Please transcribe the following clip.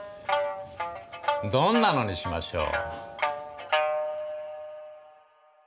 どんなのにしましょう。